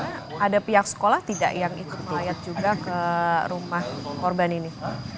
ada pihak sekolah tidak yang ikut melayat juga ke rumah korban ini